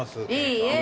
いいえ。